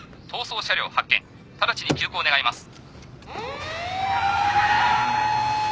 直ちに急行願います。